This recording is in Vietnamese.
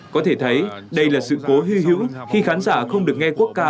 có thể thấy đây là sự cố hy hữu khi khán giả không được nghe quốc ca